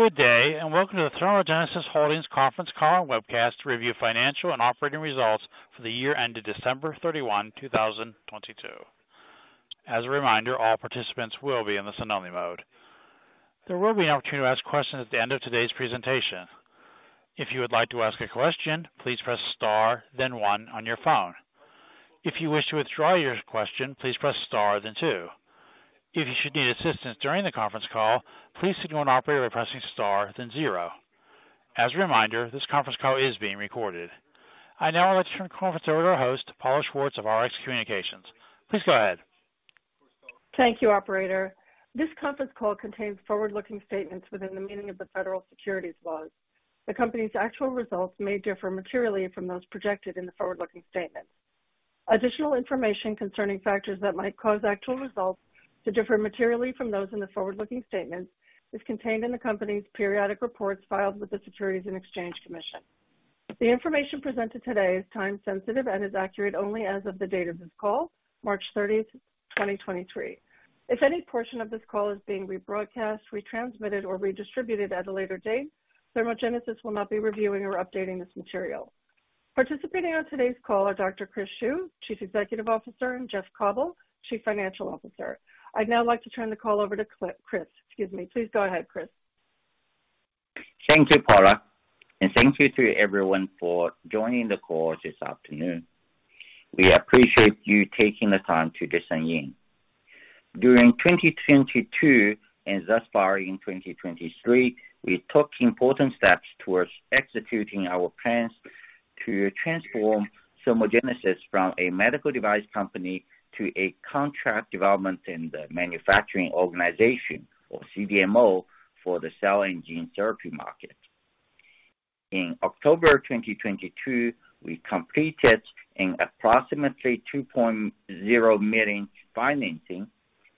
Good day, welcome to the ThermoGenesis Holdings conference call and webcast to review financial and operating results for the year ended December 31, 2022. As a reminder, all participants will be in the listen-only mode. There will be an opportunity to ask questions at the end of today's presentation. If you would like to ask a question, "please press star, then one" on your phone. If you wish to withdraw your question, "please press star, then two". If you should need assistance during the conference call, please signal an operator by "pressing star, then zero". As a reminder, this conference call is being recorded. I now would like to turn the conference over to our host, Paula Schwartz of Rx Communications. Please go ahead. Thank you, operator. This conference call contains forward-looking statements within the meaning of the federal securities laws. The company's actual results may differ materially from those projected in the forward-looking statements. Additional information concerning factors that might cause actual results to differ materially from those in the forward-looking statements is contained in the company's periodic reports filed with the Securities and Exchange Commission. The information presented today is time sensitive and is accurate only as of the date of this call, March thirtieth, twenty-twenty-three. If any portion of this call is being rebroadcast, retransmitted or redistributed at a later date, ThermoGenesis will not be reviewing or updating this material. Participating on today's call are Dr. Chris Xu, Chief Executive Officer, and Jeff Cauble, Chief Financial Officer. I'd now like to turn the call over to Chris. Excuse me. Please go ahead, Chris. Thank you, Paula, thank you to everyone for joining the call this afternoon. We appreciate you taking the time to listen in. During 2022 and thus far in 2023, we took important steps towards executing our plans to transform ThermoGenesis from a medical device company to a contract development and manufacturing organization, or CDMO, for the cell and gene therapy market. In October 2022, we completed an approximately $2.0 million financing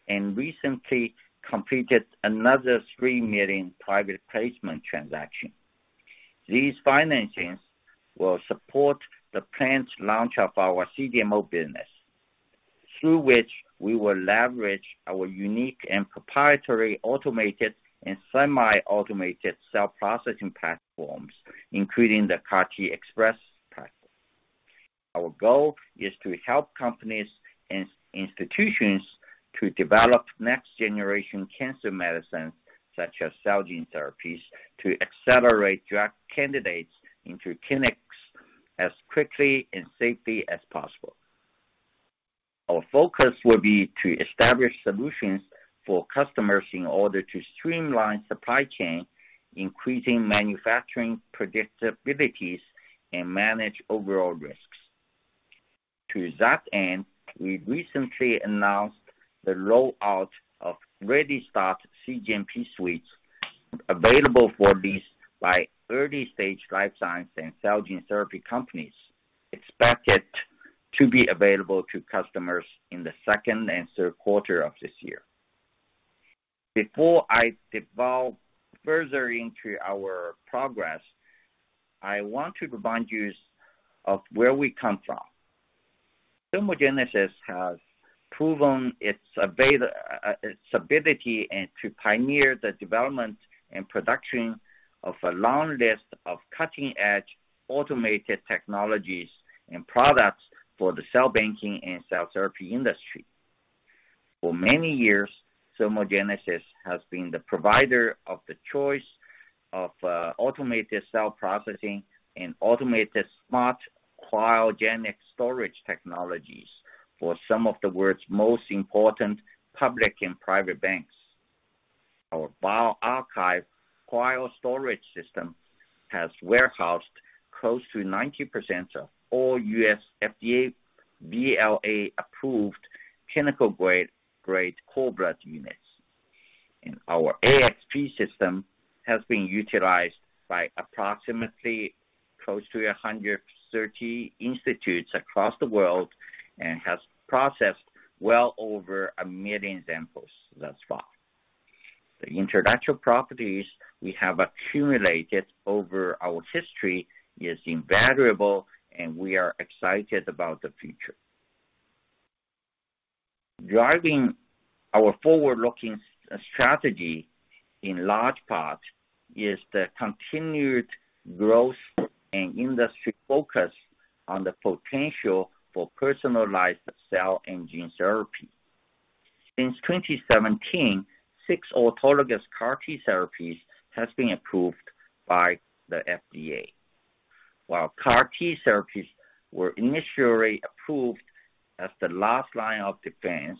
and recently completed another $3 million private placement transaction. These financings will support the planned launch of our CDMO business, through which we will leverage our unique and proprietary automated and semi-automated cell processing platforms, including the CAR-TXpress platform. Our goal is to help companies and institutions to develop next generation cancer medicines, such as cell gene therapies, to accelerate drug candidates into clinics as quickly and safely as possible. Our focus will be to establish solutions for customers in order to streamline supply chain, increasing manufacturing predictabilities and manage overall risks. To that end, we recently announced the rollout of ReadyStart cGMP suites available for lease by early-stage life science and cell gene therapy companies, expected to be available to customers in the 2nd and 3rd quarter of this year. Before I devolve further into our progress, I want to remind you of where we come from. ThermoGenesis has proven its ability and to pioneer the development and production of a long list of cutting-edge automated technologies and products for the cell banking and cell therapy industry. For many years, ThermoGenesis has been the provider of the choice of automated cell processing and automated smart cryogenic storage technologies for some of the world's most important public and private banks. Our BioArchive cryostorage system has warehoused close to 90% of all US FDA BLA-approved clinical grade cord blood units. Our AXP system has been utilized by approximately close to 130 institutes across the world and has processed well over 1 million samples this far. The intellectual properties we have accumulated over our history is invaluable. We are excited about the future. Driving our forward-looking strategy, in large part, is the continued growth and industry focus on the potential for personalized cell and gene therapy. Since 2017, six autologous CAR T therapies has been approved by the FDA. While CAR T therapies were initially approved as the last line of defense,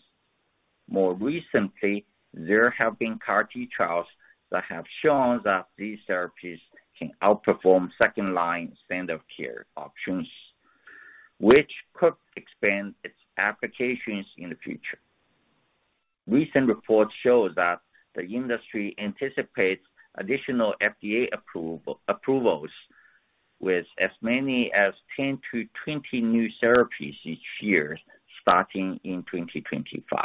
more recently, there have been CAR T trials that have shown that these therapies can outperform second-line standard care options, which could expand its applications in the future. Recent reports show that the industry anticipates additional FDA approvals with as many as 10-20 new therapies each year starting in 2025.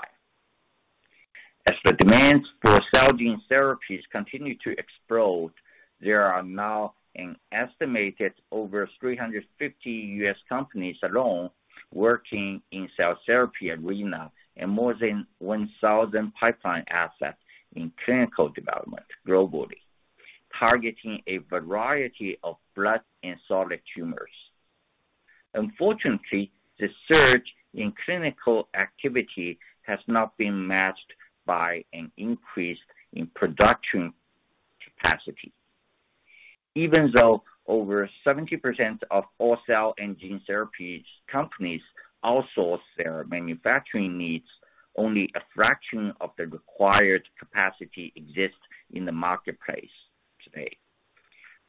As the demands for cell gene therapies continue to explode. There are now an estimated over 350 U.S. companies alone working in cell therapy arena and more than 1,000 pipeline assets in clinical development globally, targeting a variety of blood and solid tumors. Unfortunately, the surge in clinical activity has not been matched by an increase in production capacity. Even though over 70% of all cell and gene therapies companies outsource their manufacturing needs, only a fraction of the required capacity exists in the marketplace today,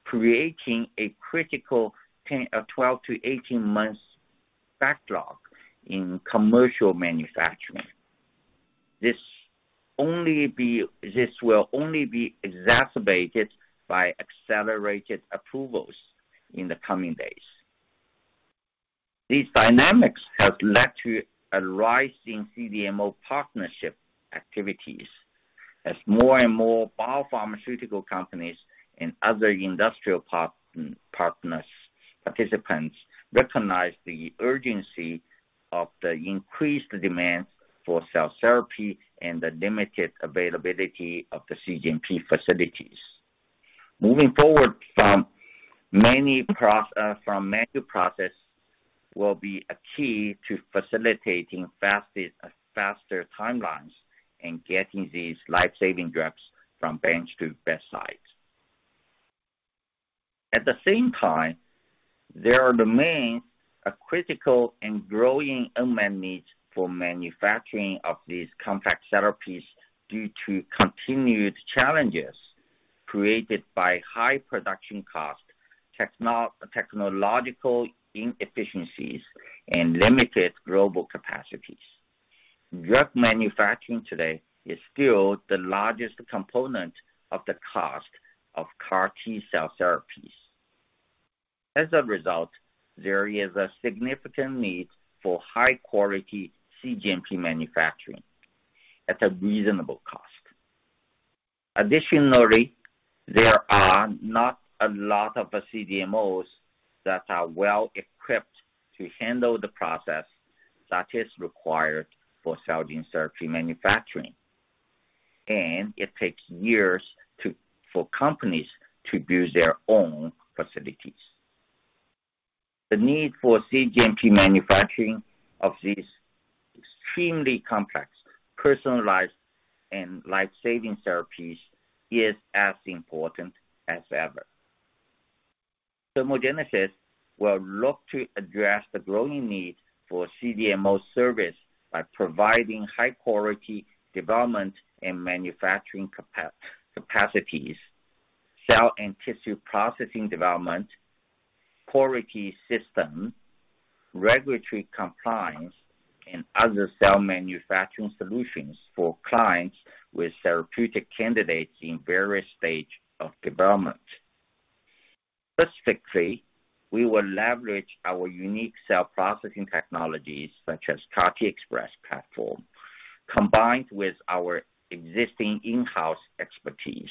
creating a critical 10-12 to 18 months backlog in commercial manufacturing. This will only be exacerbated by accelerated approvals in the coming days. These dynamics have led to a rise in CDMO partnership activities as more and more biopharmaceutical companies and other industrial participants recognize the urgency of the increased demand for cell therapy and the limited availability of the cGMP facilities. Moving forward from many from manual process will be a key to facilitating faster timelines and getting these life-saving drugs from bench to bedside. At the same time, there remains a critical and growing unmet need for manufacturing of these complex therapies due to continued challenges created by high production cost, technological inefficiencies, and limited global capacities. Drug manufacturing today is still the largest component of the cost of CAR T-cell therapies. As a result, there is a significant need for high-quality cGMP manufacturing at a reasonable cost. There are not a lot of CDMOs that are well-equipped to handle the process that is required for cell gene therapy manufacturing. It takes years for companies to build their own facilities. The need for cGMP manufacturing of these extremely complex, personalized, and life-saving therapies is as important as ever. ThermoGenesis will look to address the growing need for CDMO service by providing high-quality development and manufacturing capacities, cell and tissue processing development, quality system, regulatory compliance, and other cell manufacturing solutions for clients with therapeutic candidates in various stage of development. Specifically, we will leverage our unique cell processing technologies, such as CAR-TXpress platform, combined with our existing in-house expertise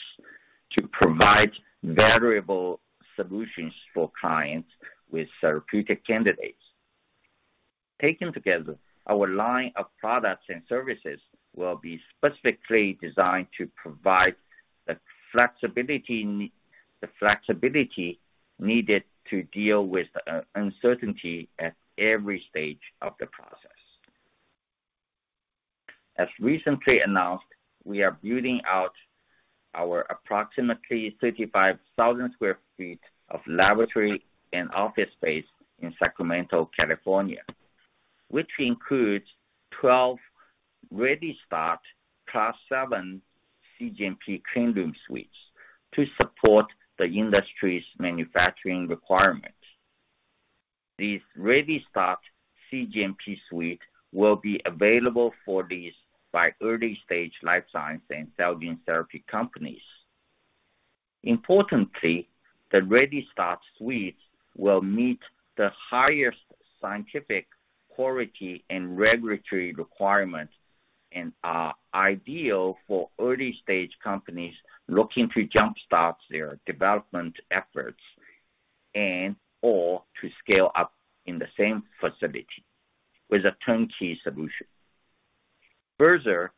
to provide variable solutions for clients with therapeutic candidates. Taken together, our line of products and services will be specifically designed to provide the flexibility needed to deal with uncertainty at every stage of the process. As recently announced, we are building out our approximately 35,000 sq ft of laboratory and office space in Sacramento, California, which includes 12 ReadyStart Class 7 cGMP cleanroom suites to support the industry's manufacturing requirements. These ReadyStart cGMP suite will be available for these by early-stage life science and cell gene therapy companies. Importantly, the ReadyStart suites will meet the highest scientific quality and regulatory requirements and are ideal for early-stage companies looking to jump-start their development efforts and, or to scale up in the same facility with a turnkey solution. Further,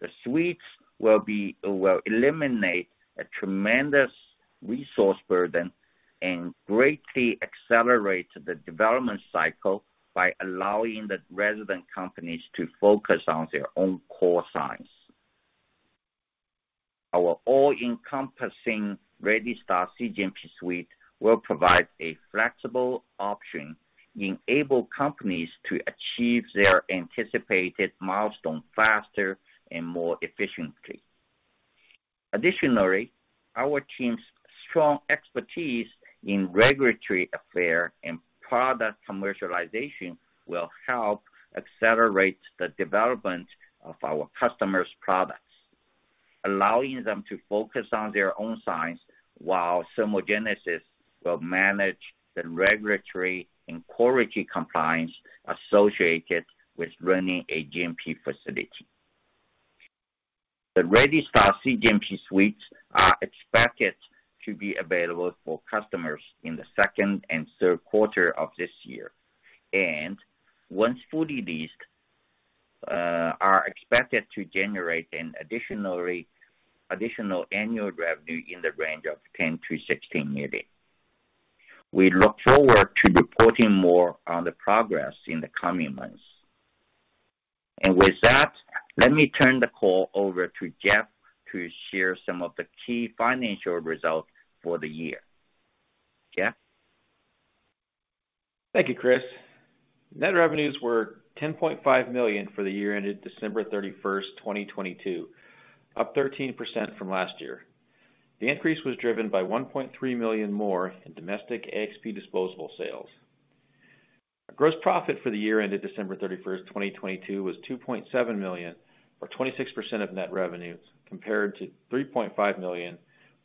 the suites will eliminate a tremendous resource burden and greatly accelerate the development cycle by allowing the resident companies to focus on their own core science. Our all-encompassing ReadyStart cGMP suite will provide a flexible option, enable companies to achieve their anticipated milestone faster and more efficiently. Additionally, our team's strong expertise in regulatory affairs and product commercialization will help accelerate the development of our customers' products, allowing them to focus on their own science while ThermoGenesis will manage the regulatory and quality compliance associated with running a GMP facility. The ReadyStart cGMP suites are expected to be available for customers in the second and third quarter of this year. Once fully leased, are expected to generate an additional annual revenue in the range of $10 million-$16 million. We look forward to reporting more on the progress in the coming months. With that, let me turn the call over to Jeff to share some of the key financial results for the year. Jeff? Thank you, Chris. Net revenues were $10.5 million for the year ended December 31st, 2022, up 13% from last year. The increase was driven by $1.3 million more in domestic AXP disposable sales. Gross profit for the year ended December 31st, 2022, was $2.7 million, or 26% of net revenues, compared to $3.5 million,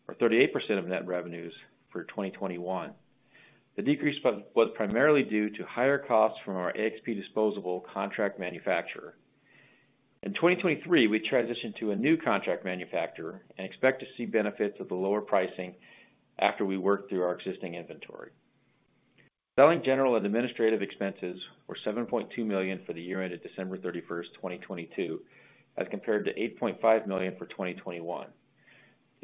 or 38% of net revenues for 2021. The decrease was primarily due to higher costs from our AXP disposable contract manufacturer. In 2023, we transitioned to a new contract manufacturer and expect to see benefits of the lower pricing after we work through our existing inventory. Selling general and administrative expenses were $7.2 million for the year ended December 31, 2022, as compared to $8.5 million for 2021.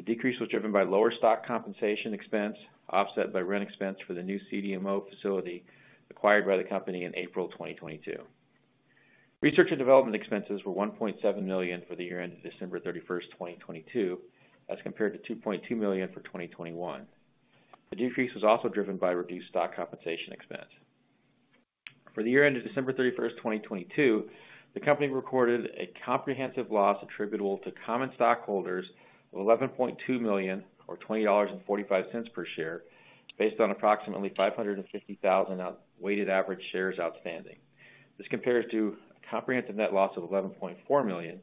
The decrease was driven by lower stock compensation expense, offset by rent expense for the new CDMO facility acquired by the company in April 2022. Research and development expenses were $1.7 million for the year ended December 31st, 2022, as compared to $2.2 million for 2021. The decrease was also driven by reduced stock compensation expense. For the year ended December 31st, 2022, the company recorded a comprehensive loss attributable to common stockholders of $11.2 million or $20.45 per share, based on approximately 550,000 of weighted average shares outstanding. This compares to comprehensive net loss of $11.4 million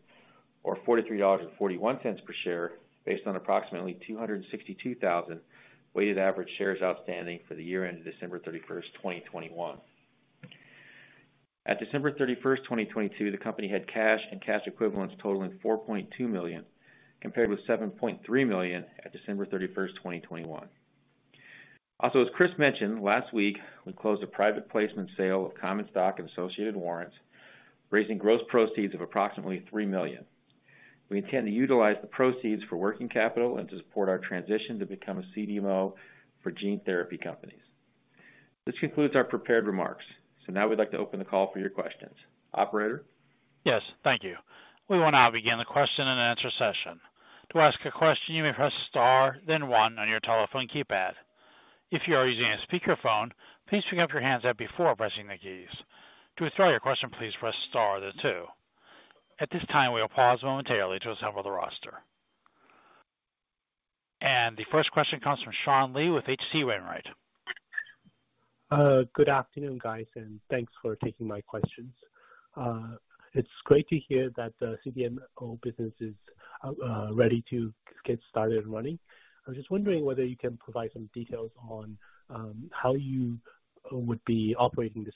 or $43.41 per share based on approximately 262,000 weighted average shares outstanding for the year ended December 31st, 2021. At December 31st, 2022, the company had cash and cash equivalents totaling $4.2 million, compared with $7.3 million at December 31st, 2021. As Chris mentioned, last week, we closed a private placement sale of common stock and associated warrants, raising gross proceeds of approximately $3 million. We intend to utilize the proceeds for working capital and to support our transition to become a CDMO for gene therapy companies. This concludes our prepared remarks, now we'd like to open the call for your questions. Operator? Yes. Thank you. We will now begin the question and answer session. "To ask a question, you may press star, then one" on your telephone keypad. If you are using a speakerphone, please pick up your handset before pressing the keys. "To withdraw your question, please press star then two". At this time, we will pause momentarily to assemble the roster. The first question comes from Sean Lee with H.C. Wainwright. Good afternoon, guys. Thanks for taking my questions. It's great to hear that the CDMO business is ready to get started running. I was just wondering whether you can provide some details on how you would be operating this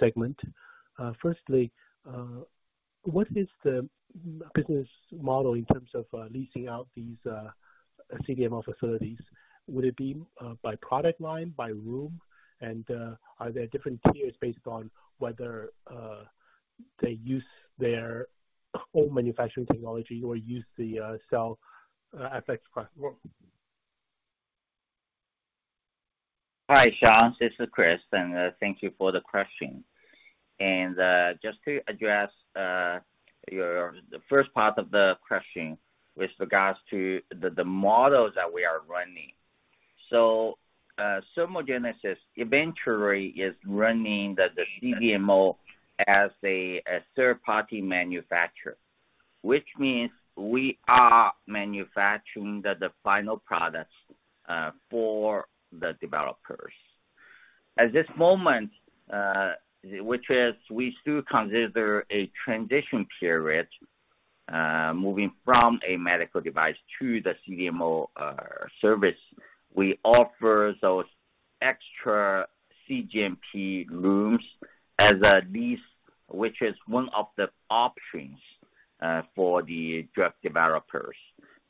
segment. Firstly, what is the business model in terms of leasing out these CDMO facilities? Would it be by product line, by room? Are there different tiers based on whether they use their own manufacturing technology or use the Cell FX? Hi, Sean, this is Chris. Thank you for the question. Just to address the first part of the question with regards to the models that we are running. ThermoGenesis eventually is running the CDMO as a third-party manufacturer, which means we are manufacturing the final products for the developers. At this moment, which is we still consider a transition period, moving from a medical device to the CDMO service. We offer those extra cGMP rooms as a lease, which is one of the options for the drug developers,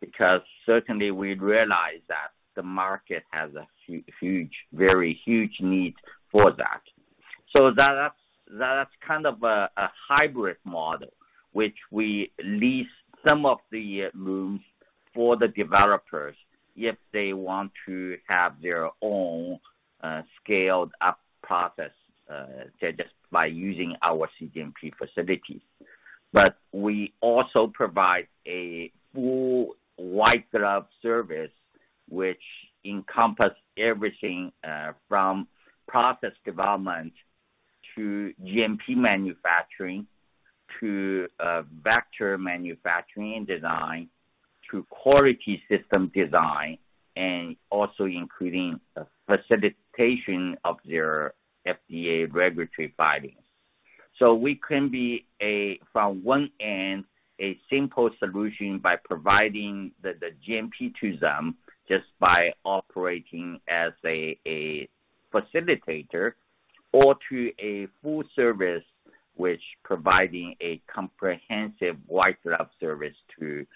because certainly we realize that the market has a very huge need for that. That's kind of a hybrid model, which we lease some of the rooms for the developers if they want to have their own scaled-up process just by using our cGMP facilities. We also provide a full white glove service, which encompass everything from process development to GMP manufacturing, to vector manufacturing and design, to quality system design, and also including facilitation of their FDA regulatory filings. We can be a, from one end, a simple solution by providing the GMP to them just by operating as a facilitator or to a full service which providing a comprehensive wide range service to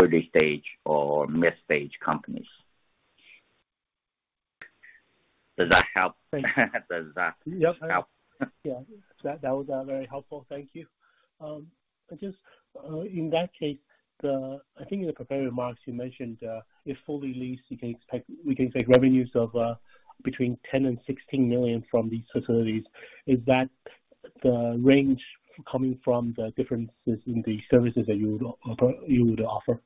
early stage or mid stage companies. Does that help? Yeah. That was very helpful. Thank you. I just, in that case, I think in the prepared remarks you mentioned, if fully leased, we can expect revenues of between $10 million and $16 million from these facilities. Is that the range coming from the differences in the services that you would offer?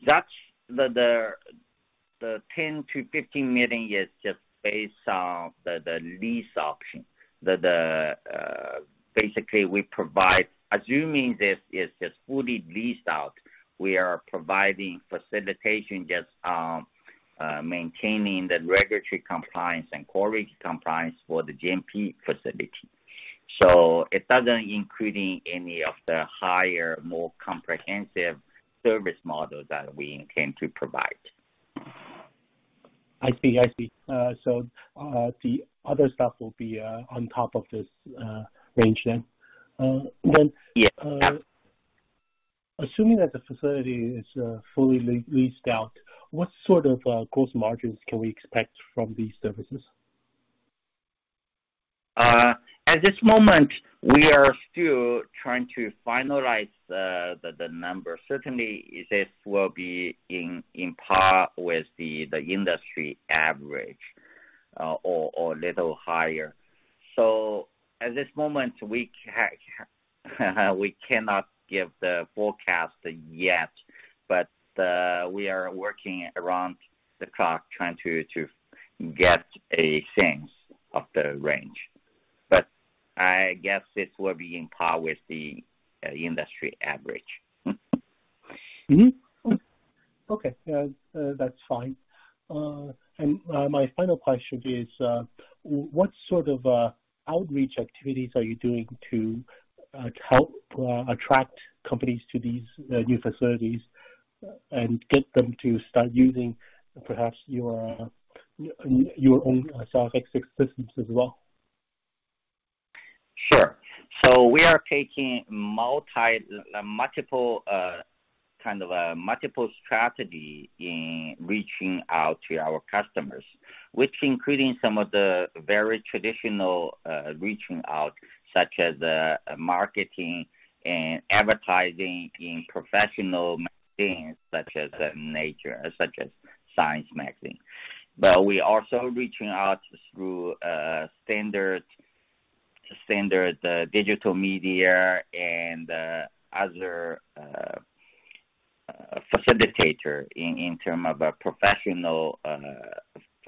That's the $10 million-$15 million is just based on the lease option. Basically we provide, assuming this is just fully leased out, we are providing facilitation, just maintaining the regulatory compliance and quality compliance for the GMP facility. It doesn't including any of the higher, more comprehensive service model that we intend to provide. I see. I see. The other stuff will be, on top of this, range then. Yes. Assuming that the facility is fully leased out, what sort of gross margins can we expect from these services? At this moment we are still trying to finalize the numbers. Certainly this will be in par with the industry average, or little higher. At this moment, we cannot give the forecast yet. We are working around the clock trying to get a sense of the range. I guess it will be in par with the industry average. Okay. That's fine. My final question is what sort of outreach activities are you doing to help attract companies to these new facilities and get them to start using perhaps your own X-Series systems as well? Sure. We are taking multiple, kind of, multiple strategy in reaching out to our customers, which including some of the very traditional reaching out, such as marketing and advertising in professional magazines such as Nature, such as Science Magazine. We also reaching out through standard digital media and other facilitator in term of a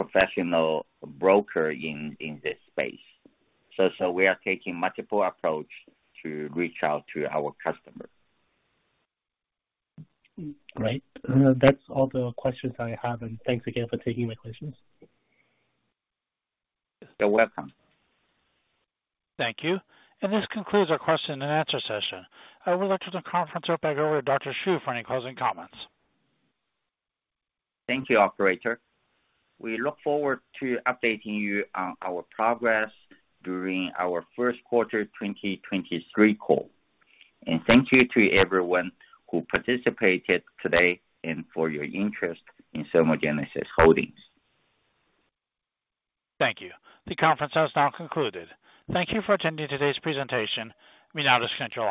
professional broker in this space. We are taking multiple approach to reach out to our customers. Great. That's all the questions I have, and thanks again for taking my questions. You're welcome. Thank you. This concludes our question and answer session. I would like to turn the conference back over to Dr. Xu for any closing comments. Thank you, operator. We look forward to updating you on our progress during our first quarter 2023 call. Thank you to everyone who participated today and for your interest in ThermoGenesis Holdings. Thank you. The conference has now concluded. Thank you for attending today's presentation. You may now disconnect.